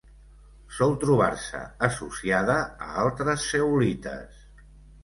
Sol trobar-se associada a altres zeolites.